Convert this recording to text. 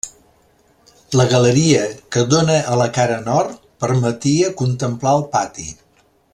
La galeria que dóna a la cara nord permetia contemplar el pati.